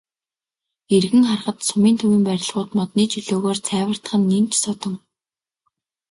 Эргэн харахад сумын төвийн барилгууд модны чөлөөгөөр цайвартах нь нэн ч содон.